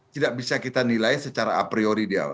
tidak bisa kita nilai secara a priori di awal